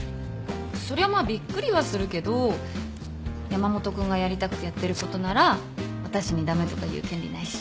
そりゃまあびっくりはするけど山本君がやりたくてやってることなら私に駄目とか言う権利ないし。